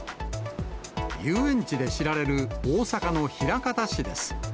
遊園地で知られる、大阪の枚方市です。